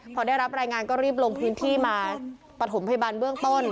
พอได้รับรายงานก็รีบลงพื้นที่มาปฐมพยาบาลเบื้องต้น